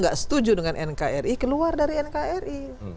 gak setuju dengan nkri keluar dari nkri